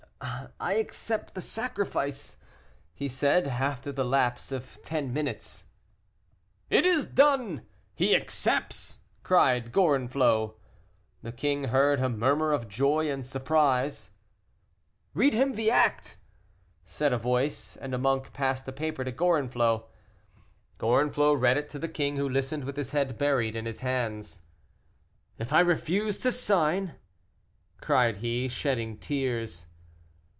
"I accept the sacrifice," he said, after the lapse of ten minutes. "It is done he accepts!" cried Gorenflot. The king heard a murmur of joy and surprise. "Read him the act," said a voice, and a monk passed a paper to Gorenflot. Gorenflot read it to the king, who listened with his head buried in his hands. "If I refuse to sign?" cried he, shedding tears.